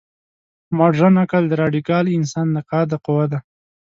مډرن عقل د راډیکال انسان نقاده قوه ده.